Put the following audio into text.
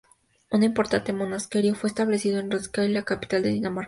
Un importante monasterio fue establecido en Roskilde, la capital de Dinamarca en el momento.